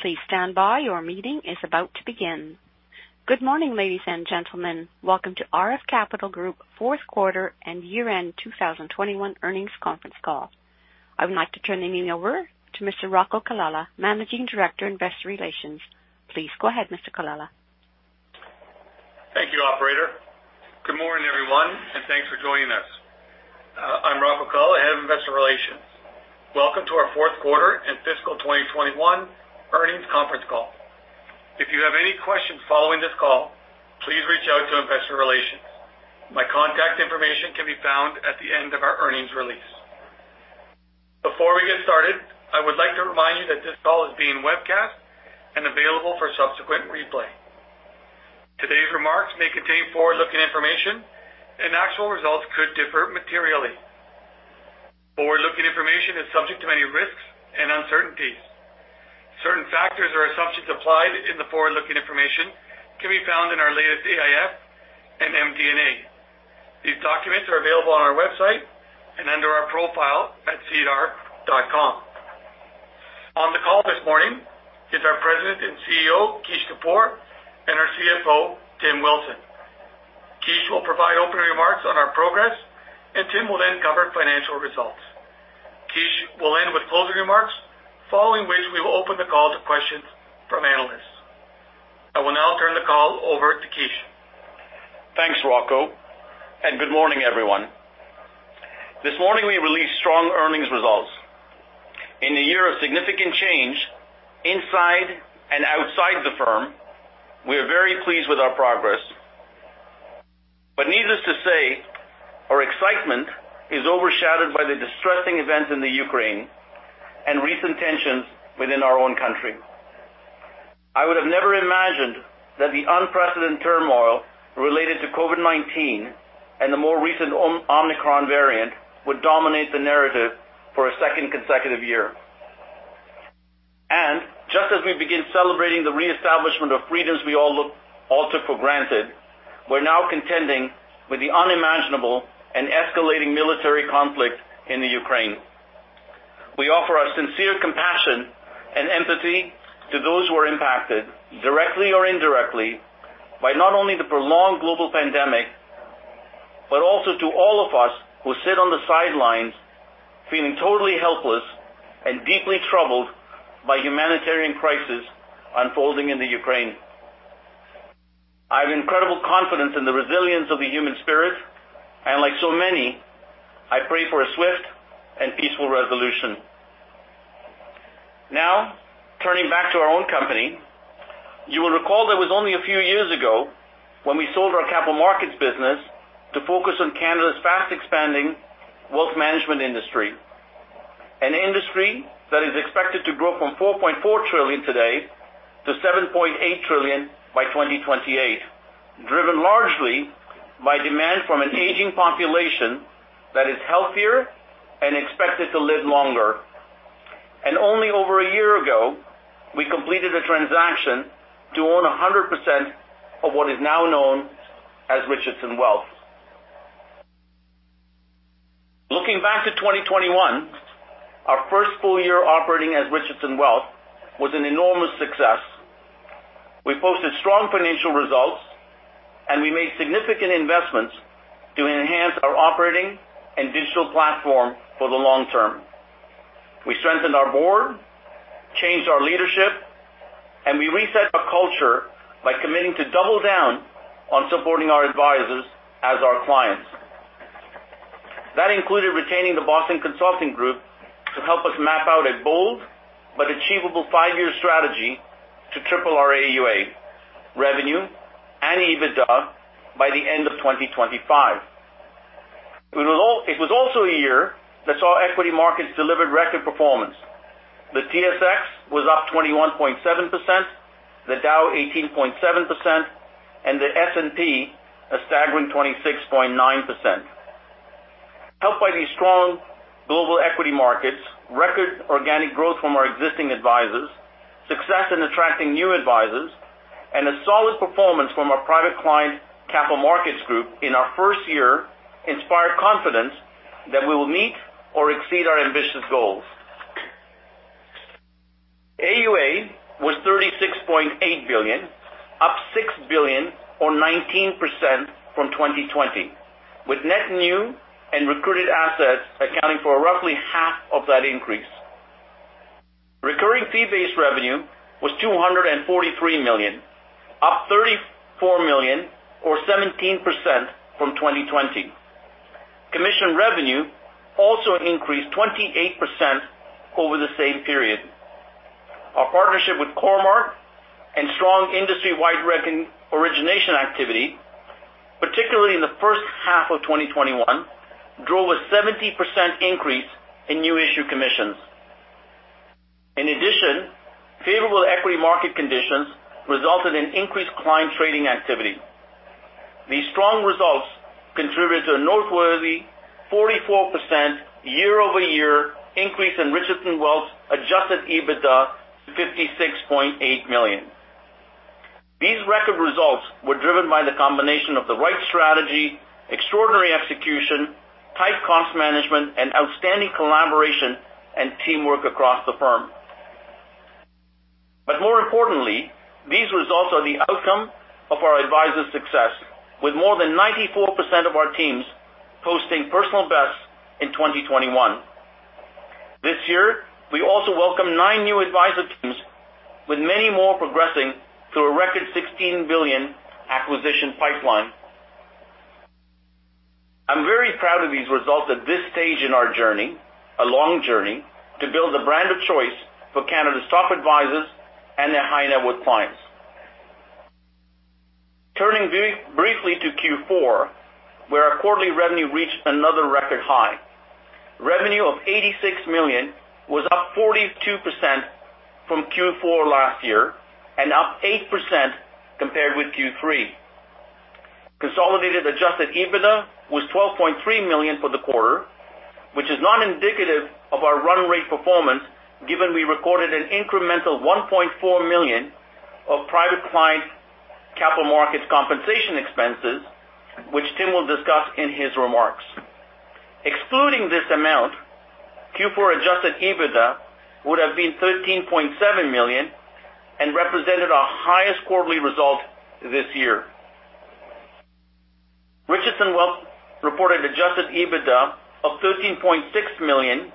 Good morning, ladies and gentlemen. Welcome to RF Capital Group fourth quarter and year-end 2021 earnings conference call. I would like to turn the meeting over to Mr. Rocco Colella, Managing Director, Investor Relations. Please go ahead, Mr. Colella. Thank you, operator. Good morning, everyone, and thanks for joining us. I'm Rocco Colella, Head of Investor Relations. Welcome to our fourth quarter and fiscal 2021 earnings conference call. If you have any questions following this call, please reach out to Investor Relations. My contact information can be found at the end of our earnings release. Before we get started, I would like to remind you that this call is being webcast and available for subsequent replay. Today's remarks may contain forward-looking information and actual results could differ materially. Forward-looking information is subject to many risks and uncertainties. Certain factors or assumptions applied in the forward-looking information can be found in our latest AIF and MD&A. These documents are available on our website and under our profile at sedar.com. On the call this morning is our President and CEO, Kish Kapoor, and our CFO, Tim Wilson. Kish will provide opening remarks on our progress, and Tim will then cover financial results. Kish will end with closing remarks, following which we will open the call to questions from analysts. I will now turn the call over to Kish. Thanks, Rocco, and good morning, everyone. This morning we released strong earnings results. In a year of significant change inside and outside the firm, we are very pleased with our progress. But needless to say, our excitement is overshadowed by the distressing events in the Ukraine and recent tensions within our own country. I would have never imagined that the unprecedented turmoil related to COVID-19 and the more recent Omicron variant would dominate the narrative for a second consecutive year. Just as we begin celebrating the reestablishment of freedoms we all took for granted, we're now contending with the unimaginable and escalating military conflict in the Ukraine. We offer our sincere compassion and empathy to those who are impacted, directly or indirectly, by not only the prolonged global pandemic, but also to all of us who sit on the sidelines feeling totally helpless and deeply troubled by humanitarian crisis unfolding in the Ukraine. I have incredible confidence in the resilience of the human spirit, and like so many, I pray for a swift and peaceful resolution. Now, turning back to our own company, you will recall that it was only a few years ago when we sold our capital markets business to focus on Canada's fast-expanding wealth management industry, an industry that is expected to grow from 4.4 trillion today to 7.8 trillion by 2028, driven largely by demand from an aging population that is healthier and expected to live longer. Only over a year ago, we completed a transaction to own 100% of what is now known as Richardson Wealth. Looking back to 2021, our first full year operating as Richardson Wealth was an enormous success. We posted strong financial results, and we made significant investments to enhance our operating and digital platform for the long term. We strengthened our board, changed our leadership, and we reset our culture by committing to double down on supporting our advisors as our clients. That included retaining the Boston Consulting Group to help us map out a bold but achievable five-year strategy to triple our AUA, revenue, and EBITDA by the end of 2025. It was also a year that saw equity markets delivered record performance. The TSX was up 21.7%, the Dow 18.7%, and the S&P a staggering 26.9%. Helped by these strong global equity markets, record organic growth from our existing advisors, success in attracting new advisors, and a solid performance from our private client capital markets group in our first year inspired confidence that we will meet or exceed our ambitious goals. AUA was 36.8 billion, up 6 billion or 19% from 2020, with net new and recruited assets accounting for roughly half of that increase. Recurring fee-based revenue was 243 million, up 34 million or 17% from 2020. Commission revenue also increased 28% over the same period. Our partnership with Cormark and strong industry-wide origination activity, particularly in the first half of 2021, drove a 70% increase in new issue commissions. In addition, favorable equity market conditions resulted in increased client trading activity. These strong results contributed to a noteworthy 44% year-over-year increase in Richardson Wealth adjusted EBITDA to 56.8 million. These record results were driven by the combination of the right strategy, extraordinary execution, tight cost management, and outstanding collaboration and teamwork across the firm. More importantly, these results are the outcome of our advisors' success, with more than 94% of our teams posting personal bests in 2021. This year, we also welcomed nine new advisor teams with many more progressing to a record 16 billion acquisition pipeline. I'm very proud of these results at this stage in our journey, a long journey to build the brand of choice for Canada's top advisors and their high-net-worth clients. Turning briefly to Q4, where our quarterly revenue reached another record high. Revenue of 86 million was up 42% from Q4 last year and up 8% compared with Q3. Consolidated adjusted EBITDA was 12.3 million for the quarter, which is not indicative of our run rate performance, given we recorded an incremental 1.4 million of private client capital markets compensation expenses, which Tim will discuss in his remarks. Excluding this amount, Q4 adjusted EBITDA would have been 13.7 million and represented our highest quarterly result this year. Richardson Wealth reported adjusted EBITDA of 13.6 million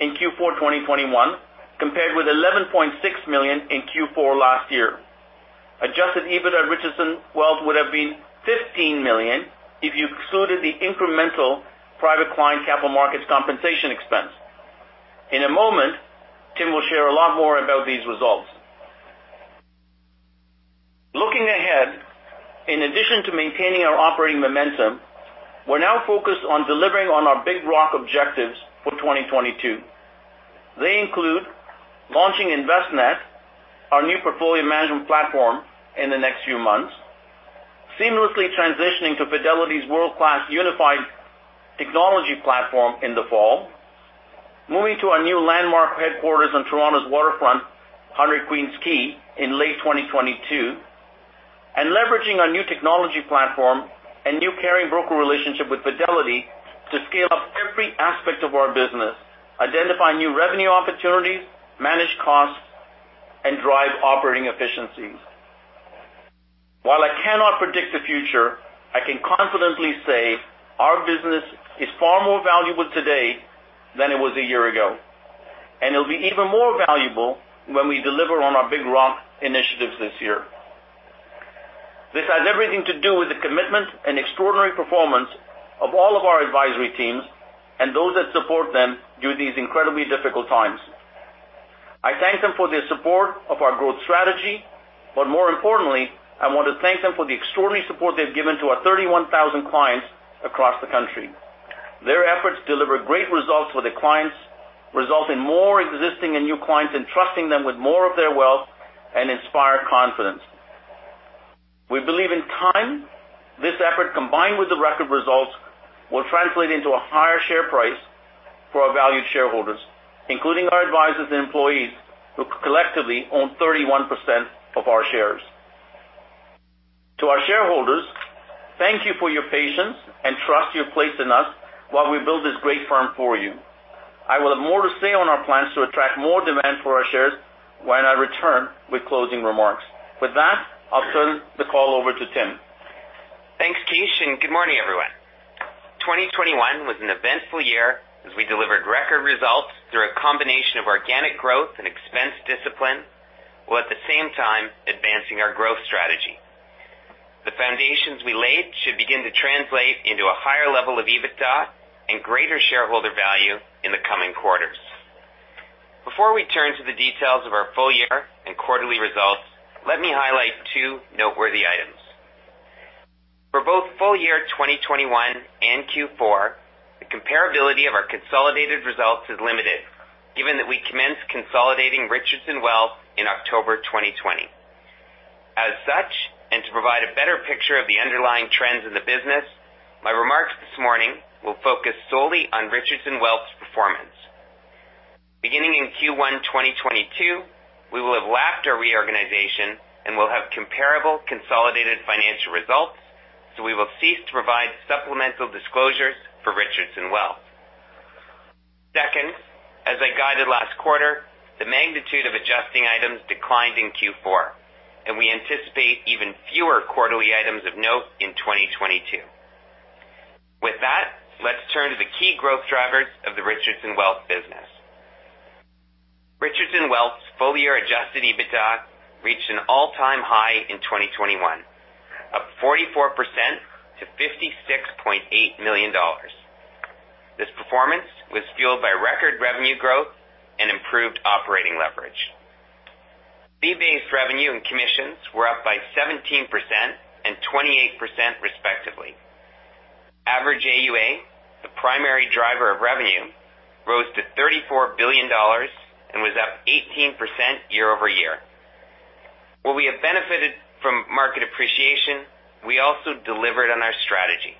in Q4 2021, compared with 11.6 million in Q4 last year. Adjusted EBITDA at Richardson Wealth would have been 15 million if you excluded the incremental private client capital markets compensation expense. In a moment, Tim will share a lot more about these results. Looking ahead, in addition to maintaining our operating momentum, we're now focused on delivering on our big rock objectives for 2022. They include launching Envestnet, our new portfolio management platform in the next few months, seamlessly transitioning to Fidelity's world-class unified technology platform in the fall, moving to our new landmark headquarters on Toronto's waterfront, 100 Queens Quay East in late 2022, and leveraging our new technology platform and new carrying broker relationship with Fidelity to scale up every aspect of our business, identify new revenue opportunities, manage costs, and drive operating efficiencies. While I cannot predict the future, I can confidently say our business is far more valuable today than it was a year ago, and it'll be even more valuable when we deliver on our big rock initiatives this year. This has everything to do with the commitment and extraordinary performance of all of our advisory teams and those that support them during these incredibly difficult times. I thank them for their support of our growth strategy, but more importantly, I want to thank them for the extraordinary support they've given to our 31,000 clients across the country. Their efforts deliver great results for the clients, result in more existing and new clients, entrusting them with more of their wealth and inspire confidence. We believe in time, this effort, combined with the record results, will translate into a higher share price for our valued shareholders, including our advisors and employees, who collectively own 31% of our shares. To our shareholders, thank you for your patience and trust you have placed in us while we build this great firm for you. I will have more to say on our plans to attract more demand for our shares when I return with closing remarks. With that, I'll turn the call over to Tim. Thanks, Kish, and good morning, everyone. 2021 was an eventful year as we delivered record results through a combination of organic growth and expense discipline, while at the same time advancing our growth strategy. The foundations we laid should begin to translate into a higher level of EBITDA and greater shareholder value in the coming quarters. Before we turn to the details of our full year and quarterly results, let me highlight two noteworthy items. For both full year 2021 and Q4, the comparability of our consolidated results is limited, given that we commenced consolidating Richardson Wealth in October 2020. As such, and to provide a better picture of the underlying trends in the business, my remarks this morning will focus solely on Richardson Wealth's performance. Beginning in Q1 2022, we will have lapped our reorganization and will have comparable consolidated financial results, so we will cease to provide supplemental disclosures for Richardson Wealth. Second, as I guided last quarter, the magnitude of adjusting items declined in Q4, and we anticipate even fewer quarterly items of note in 2022. With that, let's turn to the key growth drivers of the Richardson Wealth business. Richardson Wealth's full-year adjusted EBITDA reached an all-time high in 2021, up 44% to 56.8 million dollars. This performance was fueled by record revenue growth and improved operating leverage. Fee-based revenue and commissions were up by 17% and 28%, respectively. Average AUA, the primary driver of revenue, rose to 34 billion dollars and was up 18% year-over-year. While we have benefited from market appreciation, we also delivered on our strategy.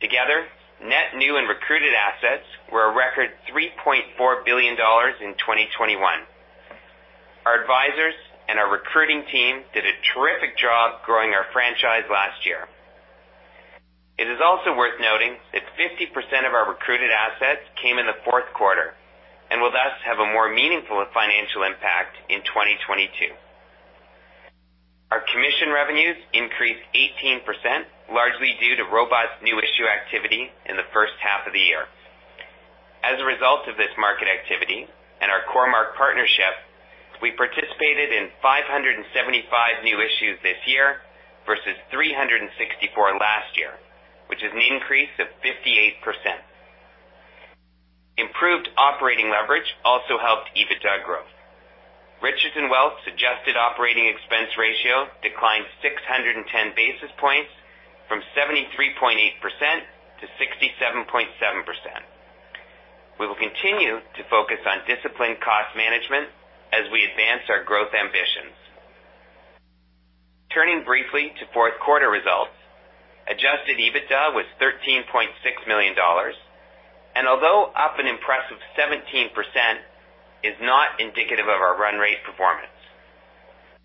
Together, net new and recruited assets were a record 3.4 billion dollars in 2021. Our advisors and our recruiting team did a terrific job growing our franchise last year. It is also worth noting that 50% of our recruited assets came in the fourth quarter and will thus have a more meaningful financial impact in 2022. Our commission revenues increased 18%, largely due to robust new issue activity in the first half of the year. As a result of this market activity and our Cormark partnership, we participated in 575 new issues this year versus 364 last year, which is an increase of 58%. Improved operating leverage also helped EBITDA growth. Richardson Wealth adjusted operating expense ratio declined 610 basis points from 73.8% to 67.7%. We will continue to focus on disciplined cost management as we advance our growth ambitions. Turning briefly to fourth quarter results, adjusted EBITDA was 13.6 million dollars, and although up an impressive 17%, is not indicative of our run rate performance.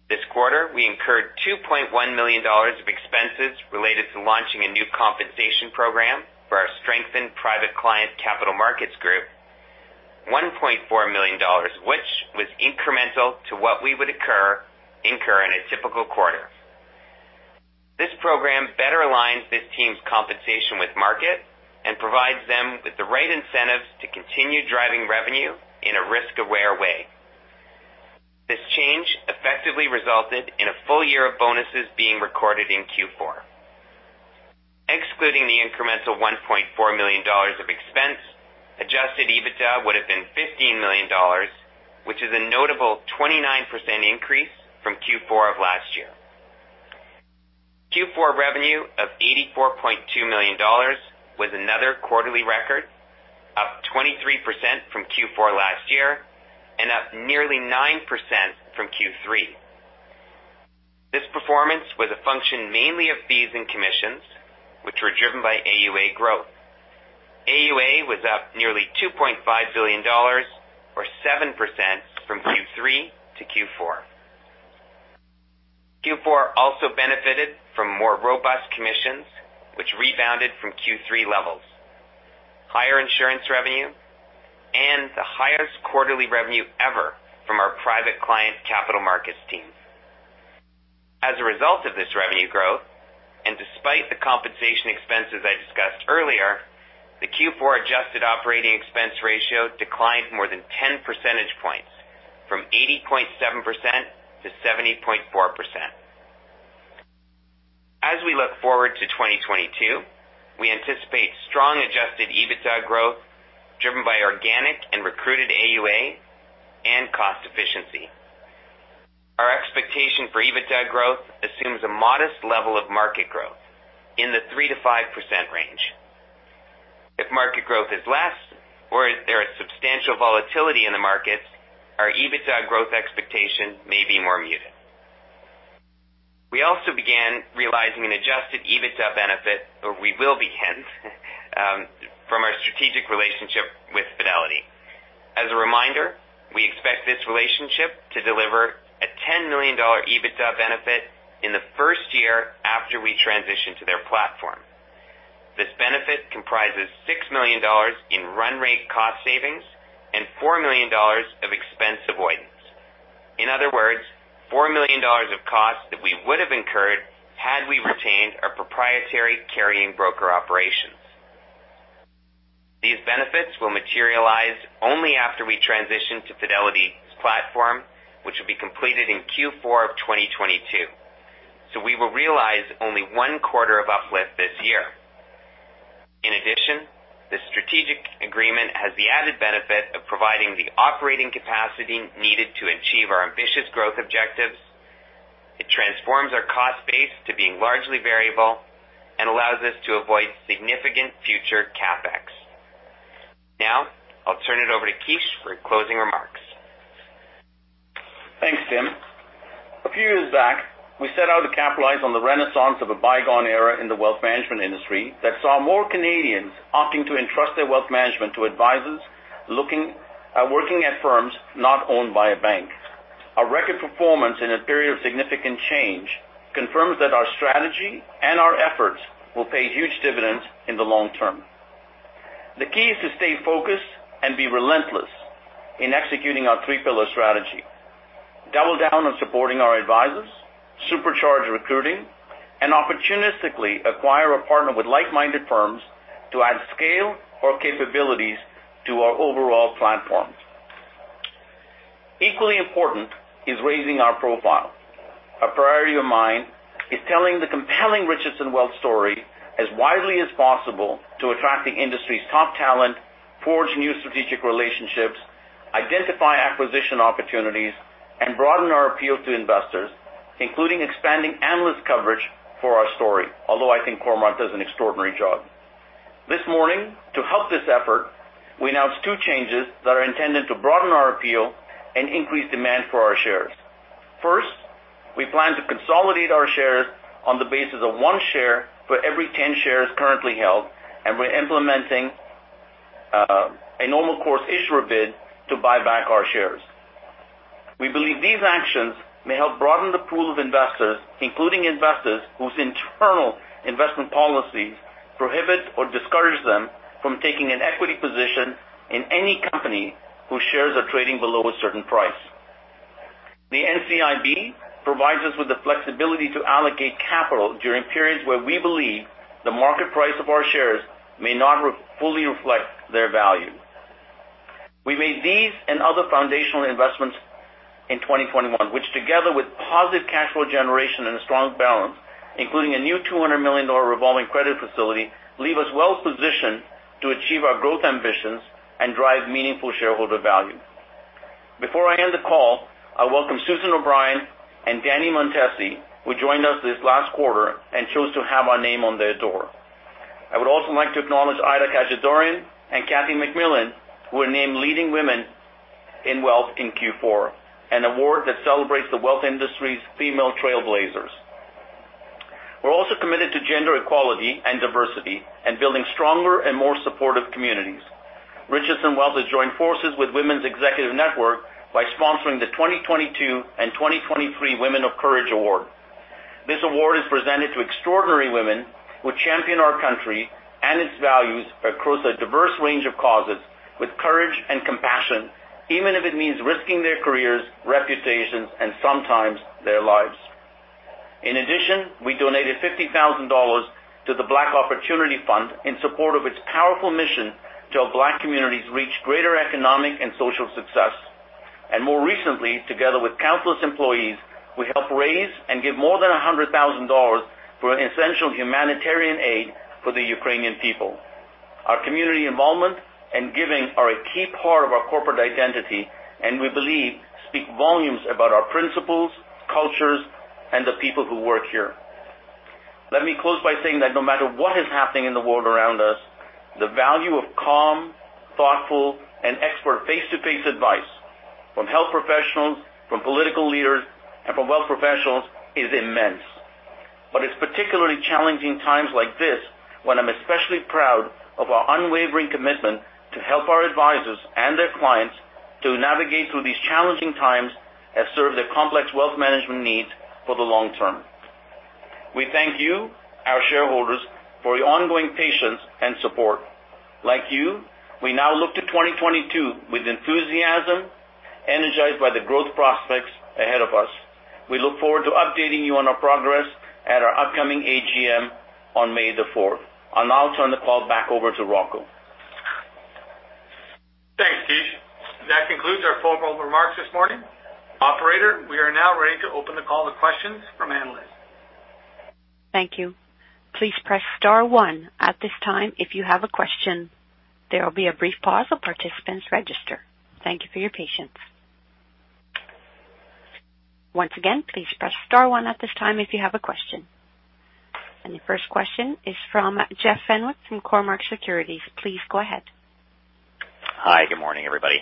This quarter, we incurred 2.1 million dollars of expenses related to launching a new compensation program for our strengthened private client capital markets group, 1.4 million dollars, which was incremental to what we would incur in a typical quarter. This program better aligns this team's compensation with market and provides them with the right incentives to continue driving revenue in a risk-aware way. This change effectively resulted in a full year of bonuses being recorded in Q4. Excluding the incremental 1.4 million dollars of expense, adjusted EBITDA would have been 15 million dollars, which is a notable 29% increase from Q4 of last year. Q4 revenue of 84.2 million dollars was another quarterly record, up 23% from Q4 last year and up nearly 9% from Q3. This performance was a function mainly of fees and commissions, which were driven by AUA growth. AUA was up nearly 2.5 billion dollars or 7% from Q3 to Q4. Q4 also benefited from more robust commissions, which rebounded from Q3 levels, higher insurance revenue, and the highest quarterly revenue ever from our private client capital markets teams. As a result of this revenue growth, and despite the compensation expenses I discussed earlier, the Q4 adjusted operating expense ratio declined more than 10 percentage points from 80.7% to 70.4%. As we look forward to 2022, we anticipate strong adjusted EBITDA growth driven by organic and recruited AUA and cost efficiency. Our expectation for EBITDA growth assumes a modest level of market growth in the 3%-5% range. If market growth is less, or if there is substantial volatility in the markets, our EBITDA growth expectation may be more muted. We also began realizing an adjusted EBITDA benefit, or we will begin, from our strategic relationship with Fidelity. As a reminder, we expect this relationship to deliver a 10 million dollar EBITDA benefit in the first year after we transition to their platform. This benefit comprises 6 million dollars in run rate cost savings and 4 million dollars of expense avoidance. In other words, 4 million dollars of costs that we would have incurred had we retained our proprietary carrying broker operations. These benefits will materialize only after we transition to Fidelity's platform, which will be completed in Q4 of 2022. We will realize only one quarter of uplift this year. In addition, the strategic agreement has the added benefit of providing the operating capacity needed to achieve our ambitious growth objectives. It transforms our cost base to being largely variable and allows us to avoid significant future CapEx. Now, I'll turn it over to Kish for closing remarks. Thanks, Tim. A few years back, we set out to capitalize on the renaissance of a bygone era in the wealth management industry that saw more Canadians opting to entrust their wealth management to advisors working at firms not owned by a bank. Our record performance in a period of significant change confirms that our strategy and our efforts will pay huge dividends in the long term. The key is to stay focused and be relentless in executing our three-pillar strategy, double down on supporting our advisors, supercharge recruiting, and opportunistically acquire or partner with like-minded firms to add scale or capabilities to our overall platforms. Equally important is raising our profile. A priority of mine is telling the compelling Richardson Wealth story as widely as possible to attract the industry's top talent, forge new strategic relationships, identify acquisition opportunities, and broaden our appeal to investors, including expanding analyst coverage for our story. Although I think Cormark does an extraordinary job. This morning, to help this effort, we announced two changes that are intended to broaden our appeal and increase demand for our shares. First, we plan to consolidate our shares on the basis of one share for every 10 shares currently held, and we're implementing a normal course issuer bid to buy back our shares. We believe these actions may help broaden the pool of investors, including investors whose internal investment policies prohibit or discourage them from taking an equity position in any company whose shares are trading below a certain price. The NCIB provides us with the flexibility to allocate capital during periods where we believe the market price of our shares may not fully reflect their value. We made these and other foundational investments in 2021, which together with positive cash flow generation and a strong balance, including a new 200 million dollar revolving credit facility, leave us well-positioned to achieve our growth ambitions and drive meaningful shareholder value. Before I end the call, I welcome Susan O'Brien and Danny Montesi, who joined us this last quarter and chose to have our name on their door. I would also like to acknowledge Ida Khajadourian and Kathy McMillan, who were named Leading Women in Wealth in Q4, an award that celebrates the wealth industry's female trailblazers. We're also committed to gender equality and diversity and building stronger and more supportive communities. Richardson Wealth has joined forces with Women's Executive Network by sponsoring the 2022 and 2023 Women of Courage Award. This award is presented to extraordinary women who champion our country and its values across a diverse range of causes with courage and compassion, even if it means risking their careers, reputations, and sometimes their lives. In addition, we donated 50,000 dollars to the Black Opportunity Fund in support of its powerful mission to help Black communities reach greater economic and social success. More recently, together with countless employees, we helped raise and give more than 100,000 dollars for essential humanitarian aid for the Ukrainian people. Our community involvement and giving are a key part of our corporate identity, and we believe speak volumes about our principles, cultures, and the people who work here. Let me close by saying that no matter what is happening in the world around us, the value of calm, thoughtful, and expert face-to-face advice from health professionals, from political leaders, and from wealth professionals is immense. It's particularly challenging times like this when I'm especially proud of our unwavering commitment to help our advisors and their clients to navigate through these challenging times and serve their complex wealth management needs for the long term. We thank you, our shareholders, for your ongoing patience and support. Like you, we now look to 2022 with enthusiasm, energized by the growth prospects ahead of us. We look forward to updating you on our progress at our upcoming AGM on May the fourth. I'll now turn the call back over to Rocco. Thanks, Kish. That concludes our formal remarks this morning. Operator, we are now ready to open the call to questions from analysts. Thank you, please press star one at this time if you have a question. There will be a brief pause as participants register, thank you for your patience. Once again please press star one at this time if you have a question. The first question is from Jeff Fenwick from Cormark Securities. Please go ahead. Hi. Good morning, everybody.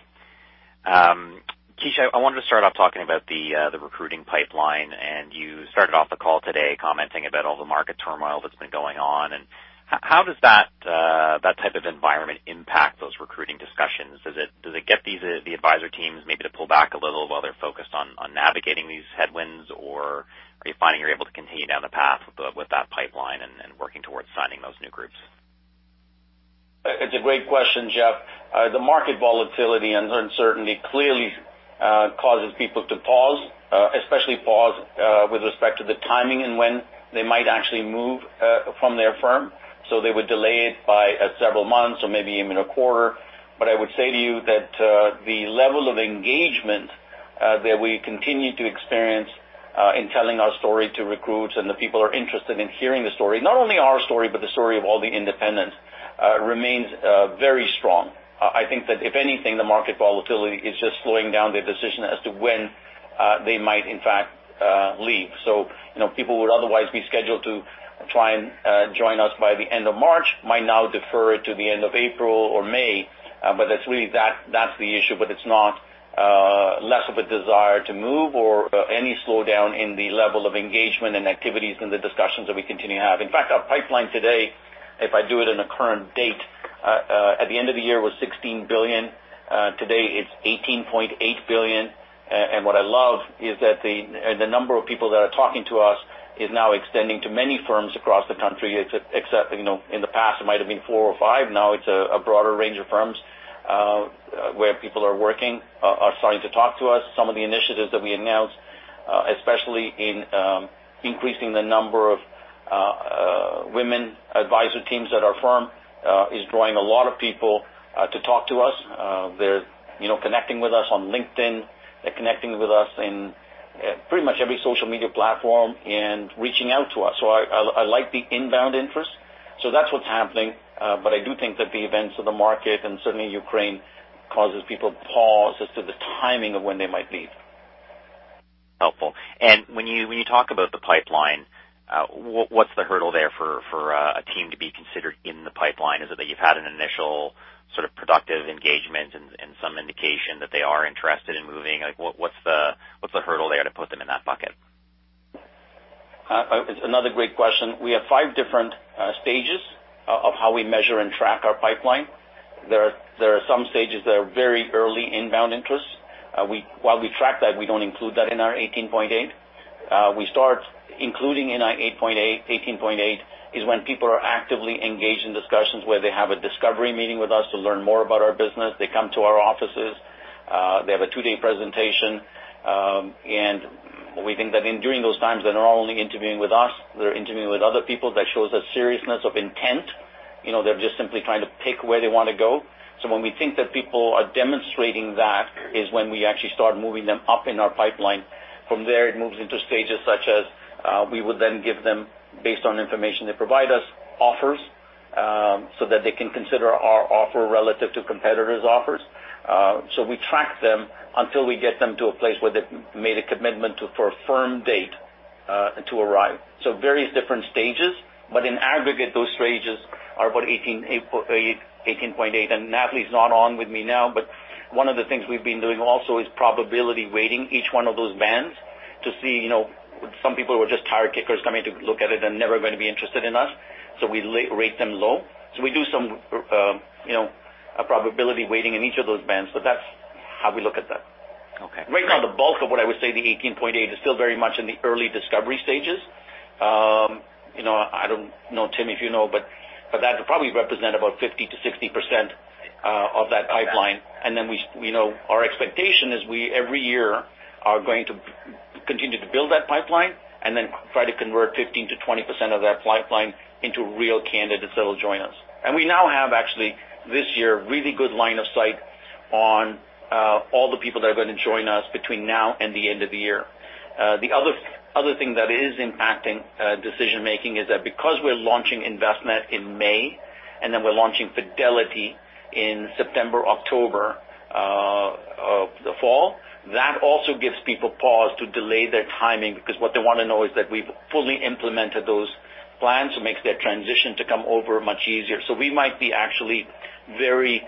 Kish, I wanted to start off talking about the recruiting pipeline. You started off the call today commenting about all the market turmoil that's been going on. How does that type of environment impact those recruiting discussions? Does it get these advisor teams maybe to pull back a little while they're focused on navigating these headwinds? Or are you finding you're able to continue down the path with that pipeline and working towards signing those new groups? It's a great question, Jeff. The market volatility and uncertainty clearly causes people to pause, especially with respect to the timing and when they might actually move from their firm. They would delay it by several months or maybe even a quarter. I would say to you that the level of engagement that we continue to experience in telling our story to recruits and the people are interested in hearing the story, not only our story, but the story of all the independents remains very strong. I think that if anything, the market volatility is just slowing down their decision as to when they might in fact leave. You know, people would otherwise be scheduled to try and join us by the end of March might now defer it to the end of April or May. That's really the issue. It's not less of a desire to move or any slowdown in the level of engagement and activities in the discussions that we continue to have. In fact, our pipeline today, if I do it in the current date, at the end of the year was 16 billion. Today it's 18.8 billion. And what I love is that, and the number of people that are talking to us is now extending to many firms across the country, except, you know, in the past it might have been four or five. Now it's a broader range of firms where people are working are starting to talk to us. Some of the initiatives that we announced especially in increasing the number of women advisor teams at our firm is drawing a lot of people to talk to us. They're, you know, connecting with us on LinkedIn. They're connecting with us in pretty much every social media platform and reaching out to us. I like the inbound interest. That's what's happening. I do think that the events of the market and certainly Ukraine causes people to pause as to the timing of when they might leave. Helpful. When you talk about the pipeline, what's the hurdle there for a team to be considered in the pipeline? Is it that you've had an initial sort of productive engagement and some indication that they are interested in moving? Like, what's the hurdle there to put them in that bucket? It's another great question. We have five different stages of how we measure and track our pipeline. There are some stages that are very early inbound interests. While we track that, we don't include that in our 18.8. We start including in our 18.8 is when people are actively engaged in discussions where they have a discovery meeting with us to learn more about our business. They come to our offices, they have a two-day presentation, and we think that during those times, they're not only interviewing with us, they're interviewing with other people. That shows a seriousness of intent, you know, they're just simply trying to pick where they want to go. When we think that people are demonstrating that is when we actually start moving them up in our pipeline. From there, it moves into stages such as, we would then give them based on information they provide us offers, so that they can consider our offer relative to competitors' offers. We track them until we get them to a place where they've made a commitment for a firm date to arrive. Various different stages, but in aggregate, those stages are about 18.8. Nathalie's not on with me now, but one of the things we've been doing also is probability weighting each one of those bands to see, you know, some people who are just tire kickers coming to look at it and never gonna be interested in us, so we rate them low. We do some, you know, a probability weighting in each of those bands. That's how we look at that. Okay. Right now the bulk of what I would say the 18.8 is still very much in the early discovery stages. You know, I don't know, Tim, if you know, but that would probably represent about 50%-60% of that pipeline. We, you know, our expectation is we every year are going to continue to build that pipeline and then try to convert 15%-20% of that pipeline into real candidates that will join us. We now have actually this year really good line of sight on all the people that are going to join us between now and the end of the year. The other thing that is impacting decision making is that because we're launching Envestnet in May, and then we're launching Fidelity in September, October of the fall, that also gives people pause to delay their timing because what they want to know is that we've fully implemented those plans to make their transition to come over much easier. We might be actually very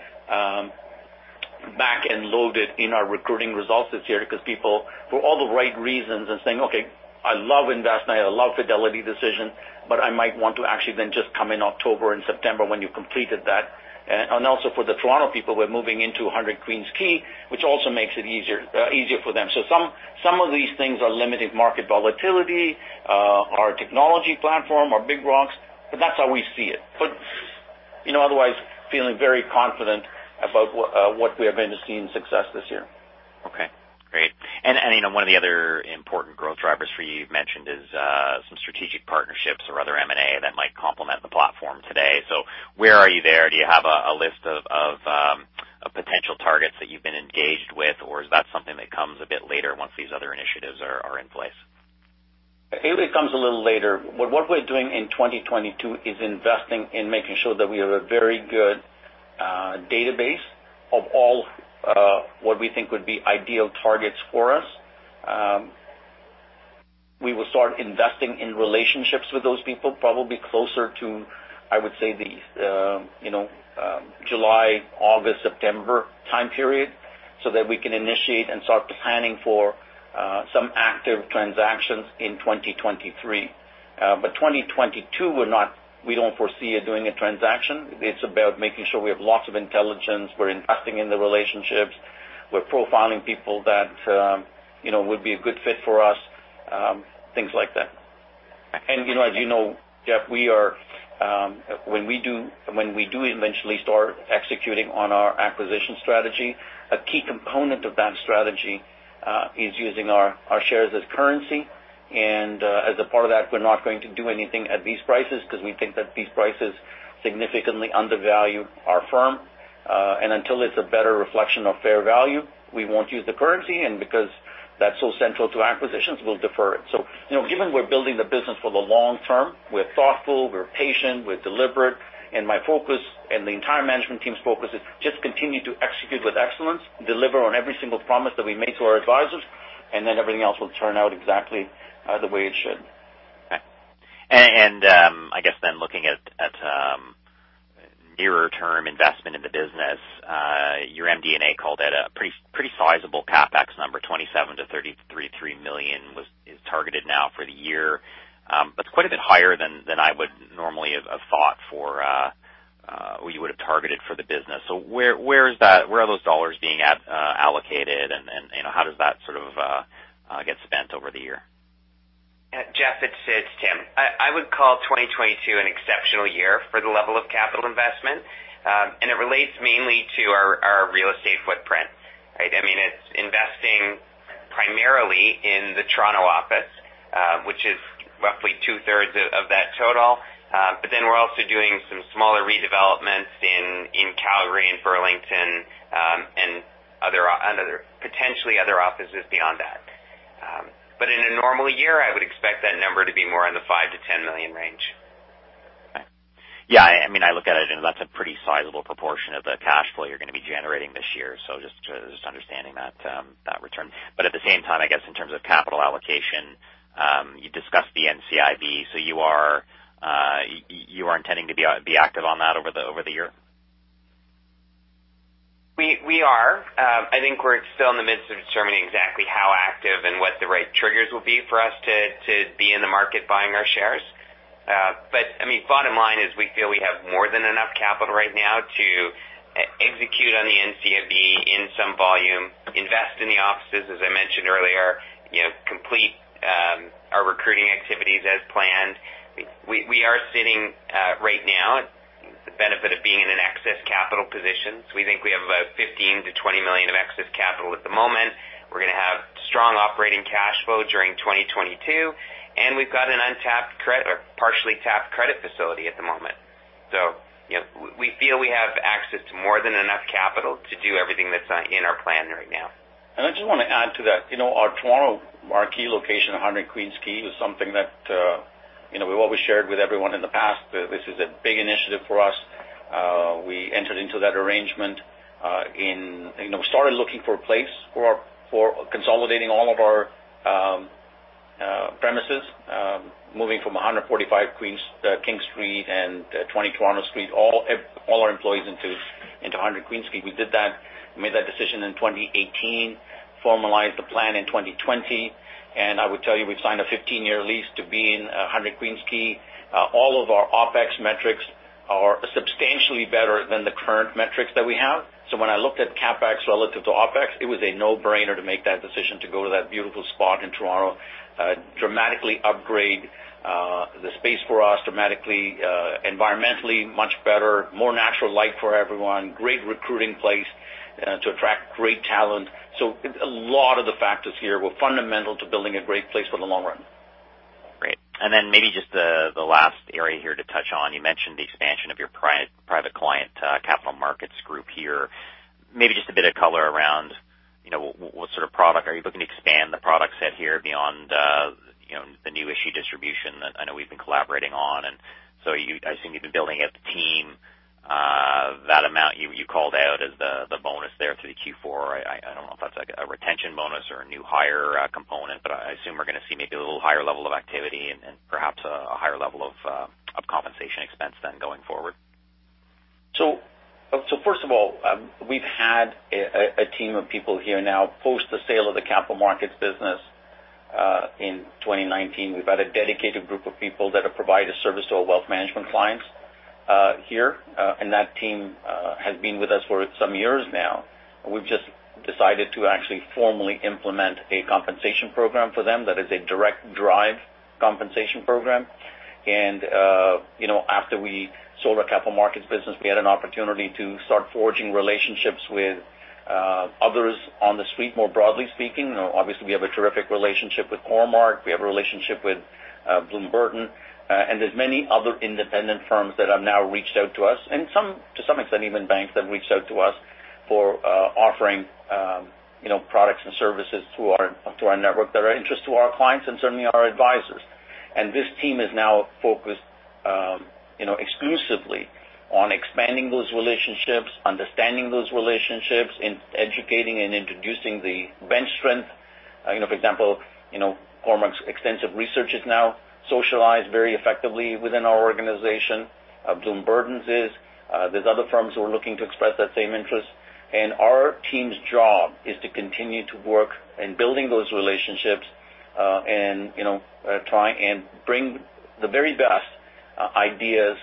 back-end loaded in our recruiting results this year because people for all the right reasons are saying, "Okay, I love Envestnet, I love Fidelity decision, but I might want to actually then just come in October and September when you completed that." Also for the Toronto people, we're moving into 100 Queens Quay, which also makes it easier for them. Some of these things are limited market volatility, our technology platform, our big rocks, but that's how we see it. You know, otherwise feeling very confident about what we have been seeing success this year. Okay, great. You know, one of the other important growth drivers that you mentioned is some strategic partnerships or other M&A that might complement the platform today. So where are you there? Do you have a list of potential targets that you've been engaged with, or is that something that comes a bit later once these other initiatives are in place? It comes a little later. What we're doing in 2022 is investing in making sure that we have a very good database of all what we think would be ideal targets for us. We will start investing in relationships with those people probably closer to, I would say, you know, July, August, September time period so that we can initiate and start planning for some active transactions in 2023. 2022 we don't foresee doing a transaction. It's about making sure we have lots of intelligence. We're investing in the relationships. We're profiling people that, you know, would be a good fit for us, things like that. You know, as you know, Jeff, when we do eventually start executing on our acquisition strategy, a key component of that strategy is using our shares as currency. As a part of that, we're not going to do anything at these prices because we think that these prices significantly undervalue our firm. Until it's a better reflection of fair value, we won't use the currency. Because that's so central to acquisitions, we'll defer it. You know, given we're building the business for the long term, we're thoughtful, we're patient, we're deliberate, and my focus and the entire management team's focus is just continue to execute with excellence, deliver on every single promise that we make to our advisors, and then everything else will turn out exactly the way it should. Okay. I guess looking at nearer term investment in the business, your MD&A called it a pretty sizable CapEx number, 27 million-33 million is targeted now for the year. That's quite a bit higher than I would normally have thought for or you would have targeted for the business. Where are those dollars being allocated and, you know, how does that sort of get spent over the year? Jeff, it's Tim. I would call 2022 an exceptional year for the level of capital investment. It relates mainly to our real estate footprint, right? I mean, it's investing primarily in the Toronto office, which is roughly 2/3 of that total. But then we're also doing some smaller redevelopments in Calgary and Burlington, and potentially other offices beyond that. In a normal year, I would expect that number to be more on the 5 million-10 million range. Yeah. I mean, I look at it and that's a pretty sizable proportion of the cash flow you're gonna be generating this year, just understanding that return. At the same time, I guess in terms of capital allocation, you discussed the NCIB, so you are intending to be active on that over the year. We are. I think we're still in the midst of determining exactly how active and what the right triggers will be for us to be in the market buying our shares. But I mean, bottom line is we feel we have more than enough capital right now to execute on the NCIB in some volume, invest in the offices, as I mentioned earlier, you know, complete our recruiting activities as planned. We are sitting right now at the benefit of being in an excess capital position. We think we have about 15 million-20 million of excess capital at the moment. We're gonna have strong operating cash flow during 2022, and we've got an untapped credit or partially tapped credit facility at the moment. You know, we feel we have access to more than enough capital to do everything that's in our plan right now. I just want to add to that. You know, our Toronto marquee location, 100 Queens Quay East, is something that, you know, we've always shared with everyone in the past. This is a big initiative for us. We entered into that arrangement. You know, we started looking for a place for consolidating all of our premises, moving from 145 King Street West, King Street and 20 Toronto Street, all our employees into 100 Queens Quay East. We did that, made that decision in 2018, formalized the plan in 2020. I would tell you, we've signed a 15-year lease to be in 100 Queens Quay East. All of our OpEx metrics are substantially better than the current metrics that we have. When I looked at CapEx relative to OpEx, it was a no-brainer to make that decision to go to that beautiful spot in Toronto, dramatically upgrade, the space for us dramatically, environmentally, much better, more natural light for everyone, great recruiting place, to attract great talent. A lot of the factors here were fundamental to building a great place for the long run. Great. Maybe just the last area here to touch on. You mentioned the expansion of your private client capital markets group here. Maybe just a bit of color around, you know, what sort of product are you looking to expand the product set here beyond, you know, the new issue distribution that I know we've been collaborating on. I assume you've been building up the team, that amount you called out as the bonus there through Q4. I don't know if that's like a retention bonus or a new hire component, but I assume we're gonna see maybe a little higher level of activity and perhaps a higher level of compensation expense than going forward. First of all, we've had a team of people here now post the sale of the capital markets business in 2019. We've had a dedicated group of people that have provided service to our wealth management clients here. That team has been with us for some years now. We've just decided to actually formally implement a compensation program for them that is a direct drive compensation program. You know, after we sold our capital markets business, we had an opportunity to start forging relationships with others on the Street, more broadly speaking. Obviously, we have a terrific relationship with Cormark. We have a relationship with Bloom Burton. There's many other independent firms that have now reached out to us and some to some extent, even banks that reached out to us for offering you know, products and services to our network that are of interest to our clients and certainly our advisors. This team is now focused you know, exclusively on expanding those relationships, understanding those relationships, in educating and introducing the bench strength. You know, for example, you know, Cormark's extensive research is now socialized very effectively within our organization. Bloom Burton's is. There's other firms who are looking to express that same interest. Our team's job is to continue to work in building those relationships, and you know, try and bring the very best ideas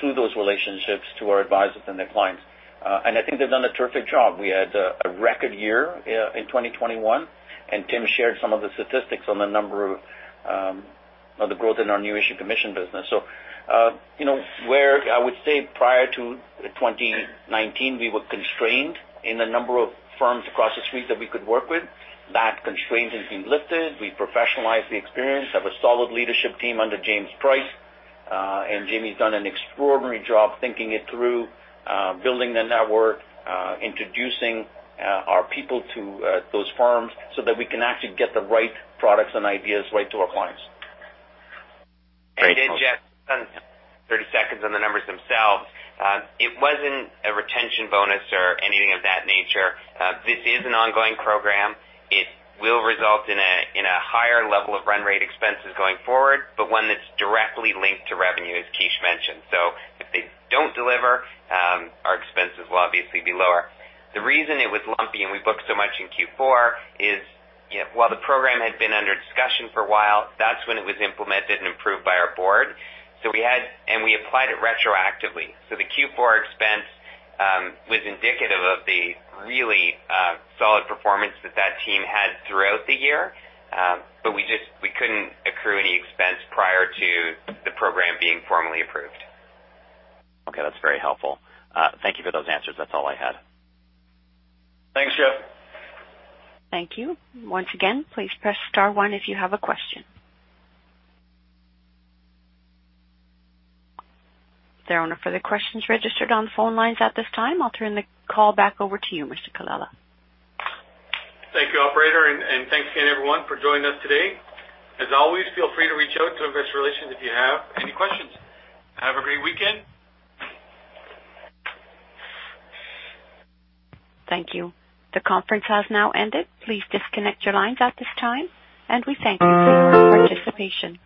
through those relationships to our advisors and their clients. I think they've done a terrific job. We had a record year in 2021, and Tim shared some of the statistics on the growth in our new issue commission business. You know, where I would say prior to 2019, we were constrained in the number of firms across the Street that we could work with. That constraint has been lifted. We professionalized the experience, have a solid leadership team under James Price. Jimmy's done an extraordinary job thinking it through, building the network, introducing our people to those firms so that we can actually get the right products and ideas right to our clients. Great. Jeff, 30 seconds on the numbers themselves. It wasn't a retention bonus or anything of that nature. This is an ongoing program. It will result in a higher level of run rate expenses going forward, but one that's directly linked to revenue, as Kish mentioned. If they don't deliver, our expenses will obviously be lower. The reason it was lumpy and we booked so much in Q4 is while the program had been under discussion for a while, that's when it was implemented and approved by our board. We applied it retroactively. The Q4 expense was indicative of the really solid performance that team had throughout the year. But we just couldn't accrue any expense prior to the program being formally approved. Okay. That's very helpful. Thank you for those answers. That's all I had. Thanks, Jeff. Thank you. Once again, please press star one if you have a question. There are no further questions registered on phone lines at this time. I'll turn the call back over to you, Mr. Colella. Thank you, operator, and thanks again everyone for joining us today. As always, feel free to reach out to investor relations if you have any questions. Have a great weekend. Thank you. The conference has now ended. Please disconnect your lines at this time, and we thank you for your participation.